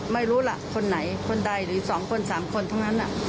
ไม่รู้ล่ะคนไหนคนใดหรือ๒คน๓คนทั้งนั้น